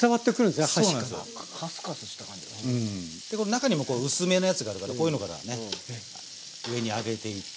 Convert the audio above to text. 中にも薄めのやつがあるからこういうのからね上に上げていって。